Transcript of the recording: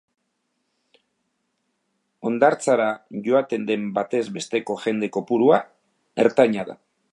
Hondartzara joaten den batez besteko jende kopurua ertaina da.